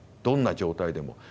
どんな状態でも。